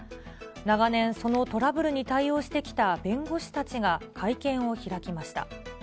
長年、そのトラブルに対応してきた弁護士たちが会見を開きました。